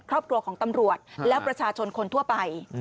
ครอบครัวของตำรวจและประชาชนคนทั่วไป